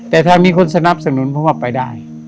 แต่ถ้ามีคนสนับสนุนเพราะว่าไปได้